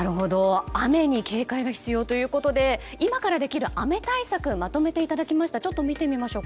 雨に警戒が必要ということで今からできる雨対策をまとめていただきました。